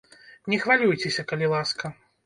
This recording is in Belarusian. Не хвалюйцеся, калі ласка.